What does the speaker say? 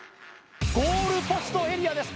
ゴールポストエリアです